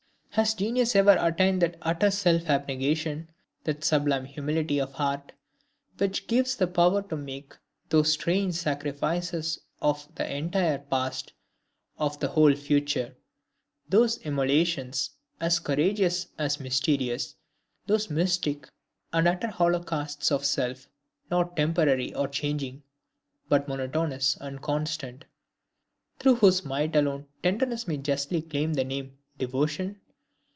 Has genius ever attained that utter self abnegation, that sublime humility of heart which gives the power to make those strange sacrifices of the entire Past, of the whole Future; those immolations, as courageous as mysterious; those mystic and utter holocausts of self, not temporary and changing, but monotonous and constant, through whose might alone tenderness may justly claim the higher name, devotion?